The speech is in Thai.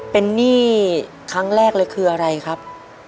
เป็นหนี้ครั้งแรกเลยคืออะไรครับ